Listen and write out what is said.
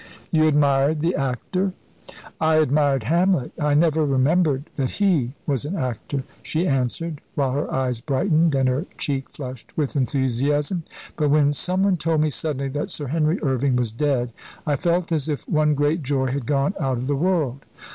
"You admired the actor?" "I admired Hamlet. I never remembered that he was an actor," she answered, while her eyes brightened, and her cheek flushed with enthusiasm. "But when someone told me suddenly that Sir Henry Irving was dead, I felt as if one great joy had gone out of the world.